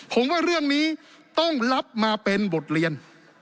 ผมว่าเรื่องนี้ต้องรับมาเป็นบทเรียน